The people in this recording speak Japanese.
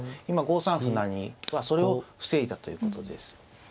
今５三歩成はそれを防いだということです。